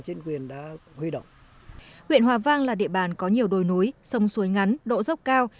huyện hòa vang là địa bàn có nhiều đồi núi sông suối ngắn độ dốc cao